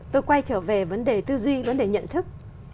tôi quay trở về vấn đề tư duy vấn đề nhận thức